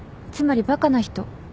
つまりバカな人。